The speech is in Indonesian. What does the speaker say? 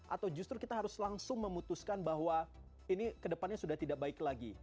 atau justru kita harus langsung memutuskan bahwa ini kedepannya sudah tidak baik lagi